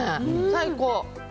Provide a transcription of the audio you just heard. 最高。